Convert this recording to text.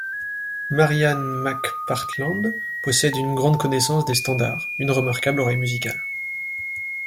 Marian McPartland possède une grande connaissance des standards, une remarquable oreille musicale.